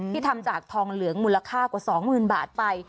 ที่ทำจากทองเหลืองมูลค่ากว่า๒หมื่นบาทไป